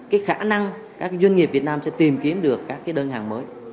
cái khả năng các doanh nghiệp việt nam sẽ tìm kiếm được các đơn hàng mới